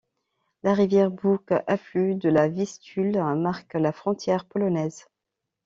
La rivière Boug, affluent de la Vistule, marque la frontière polonaise.